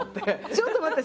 ちょっと待って。